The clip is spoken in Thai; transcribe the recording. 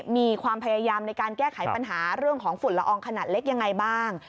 มีความพยายามในการแก้ไขปัญหาเรื่องของฝุ่นละอองขนาดเล็กยังไงบ้าง